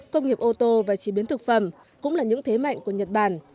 công nghiệp ô tô và chế biến thực phẩm cũng là những thế mạnh của nhật bản